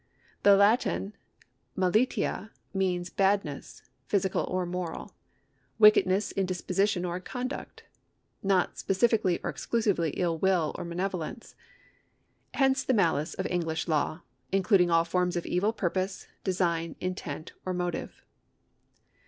The Latin malitia ^ means badness, physical or moral — wickedness in disposition or in conduct — not specifically or exclusively ill will or malevolence ; hence the malice of English law, including all forms of evil purpose, design, intent, or motive.